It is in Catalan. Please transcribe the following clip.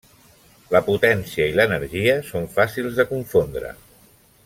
La potència i l'energia són fàcils de confondre.